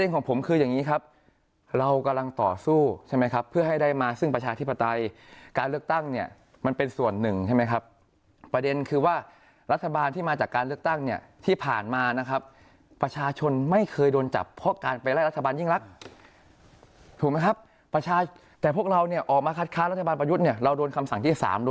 ของผมคืออย่างนี้ครับเรากำลังต่อสู้ใช่ไหมครับเพื่อให้ได้มาซึ่งประชาธิปไตยการเลือกตั้งเนี่ยมันเป็นส่วนหนึ่งใช่ไหมครับประเด็นคือว่ารัฐบาลที่มาจากการเลือกตั้งเนี่ยที่ผ่านมานะครับประชาชนไม่เคยโดนจับเพราะการไปไล่รัฐบาลยิ่งรักถูกไหมครับประชาชนแต่พวกเราเนี่ยออกมาคัดค้ารัฐบาลประยุทธ์เนี่ยเราโดนคำสั่งที่๓โดย